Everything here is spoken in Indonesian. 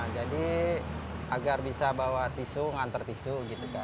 jadi agar bisa bawa tisu mengantar tisu gitu kak